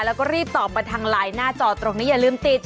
แล้วก็รีบตอบมาทางไลน์หน้าจอตรงนี้อย่าลืมติด